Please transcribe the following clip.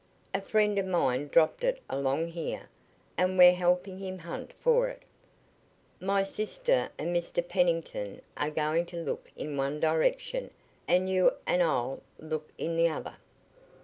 "A friend of mine dropped it along here, and we're helping him hunt for it. My sister and Mr. Pennington are going to look in one direction, and you and I'll look in the other."